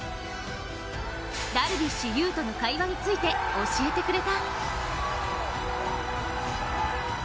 ダルビッシュ有との会話について教えてくれた。